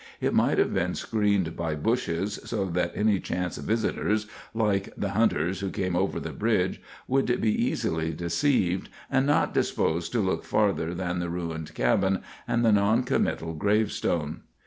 It might have been screened by bushes so that any chance visitors, like the hunters who came over the bridge, would be easily deceived, and not disposed to look farther than the ruined cabin and the non committal gravestone.